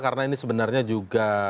karena ini sebenarnya juga